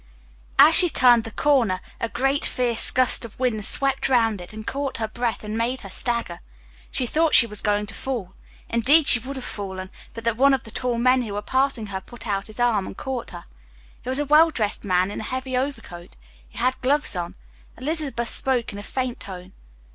As she turned the corner, a great, fierce gust of wind swept round it, and caught her breath and made her stagger. She thought she was going to fall; indeed, she would have fallen but that one of the tall men who were passing put out his arm and caught her. He was a well dressed man, in a heavy overcoat; he had gloves on. Elizabeth spoke in a faint tone.